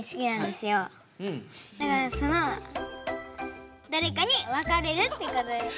だからそのどれかにわかれるっていうことです。